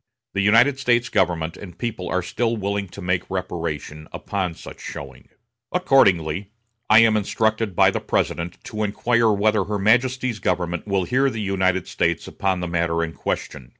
The United States government and people are still willing to make reparation upon such showing. "Accordingly, I am instructed by the President to inquire whether her Majesty's government will hear the United States upon the matter in question.